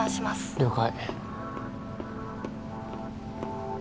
了解